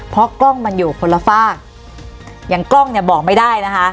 เพราะกล้องมันอยู่คนละฝากอย่างกล้องเนี่ยบอกไม่ได้นะคะ